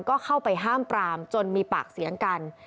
ก็เข้าไปห้ามปรามจนมีปากเสียงกัน